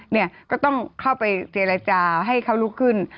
เนี่ยก็ต้องเข้าไปเจรจาให้เขาลุกขึ้น